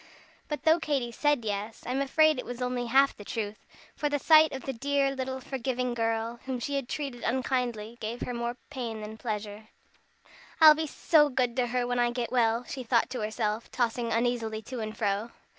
But though Katy said yes, I am afraid it was only half the truth, for the sight of the dear little forgiving girl, whom she had treated unkindly, gave her more pain than pleasure. "I'll be so good to her when I get well," she thought to herself, tossing uneasily to and fro.